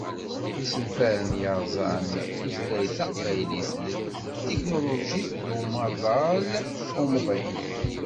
Isenfaren i yerzan tutlayt taqbaylit deg tetiknulujit d umaḍal umḍin.